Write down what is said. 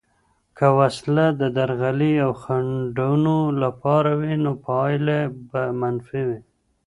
که وسله د درغلي او خنډونو لپاره وي، نو پایله به منفي وي.